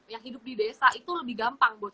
yang hidup di desa itu lebih gampang